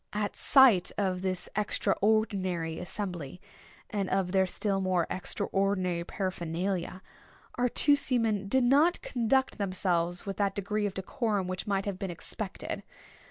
At sight of this extraordinary assembly, and of their still more extraordinary paraphernalia, our two seamen did not conduct themselves with that degree of decorum which might have been expected.